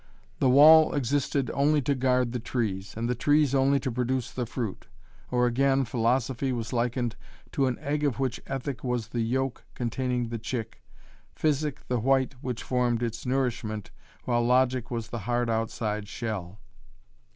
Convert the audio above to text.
The wall existed only to guard the trees, and the trees only to produce the fruit. Or again philosophy was likened to an egg of which ethic was the yolk containing the chick, physic the white which formed its nourishment while logic was the hard outside shell.